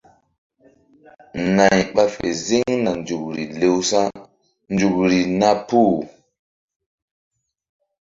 Nay ɓa fe ziŋna nzukri lewsa̧nzukri na puh.